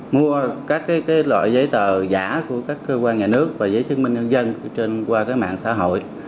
mua các loại giấy tờ giả của các cơ quan nhà nước và giấy chứng minh nhân dân trên qua mạng xã hội